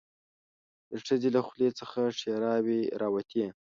د ښځې له خولې څخه ښيراوې راووتې.